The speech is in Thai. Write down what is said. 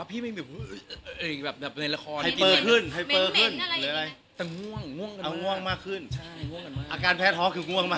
อะไรแบบนี้ก็ระมัดระวัง